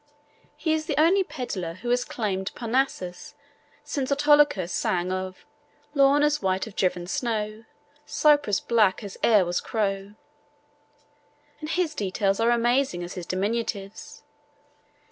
He is the only pedlar who has climbed Parnassus since Autolycus sang of Lawn as white as driven snow, 'Cypress black as e'er was crow, and his details are as amazing as his diminutives.